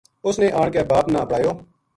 اس نے آن کے باپ نا اپڑایو